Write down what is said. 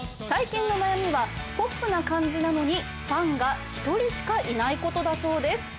最近の悩みはポップな感じなのにファンが１人しかいないことだそうです。